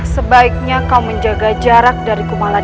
sebaiknya kau menjaga jarak dari kandungan ini